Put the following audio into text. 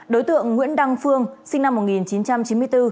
đối tượng nguyễn đăng phương sinh năm một nghìn chín trăm chín mươi bốn